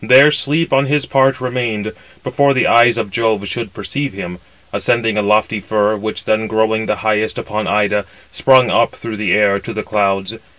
There Sleep on his part remained, before the eyes of Jove should perceive him; ascending a lofty fir, which then growing the highest upon Ida, sprung up through the air to the clouds.